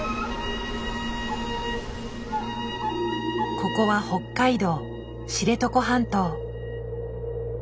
ここは北海道知床半島。